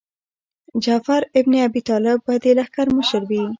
جعفر ابن ابي طالب به د لښکر مشر وي.